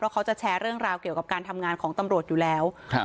เขาจะแชร์เรื่องราวเกี่ยวกับการทำงานของตำรวจอยู่แล้วครับ